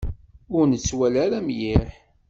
Ur nettwali ara mliḥ.